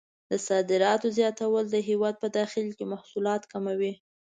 د صادراتو زیاتول د هېواد په داخل کې محصولات کموي.